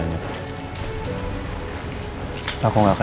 di mana kita bisa cari informasi